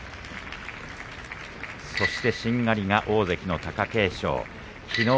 そしてしんがりは大関の貴景勝きのう